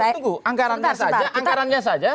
tunggu tunggu anggarannya saja